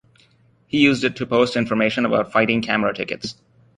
He used it to post information about fighting camera tickets.